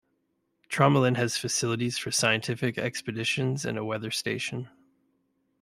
Tromelin has facilities for scientific expeditions and a weather station.